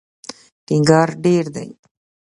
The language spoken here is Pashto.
ټینګار ډېر دی.